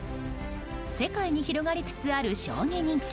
世界に広がりつつある将棋人気。